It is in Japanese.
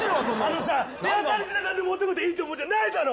あのさ手当たり次第何でも持ってきていいってもんじゃないだろ！